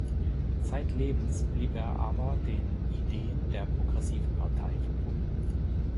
Zeitlebens blieb er aber den Ideen der Progressiven Partei verbunden.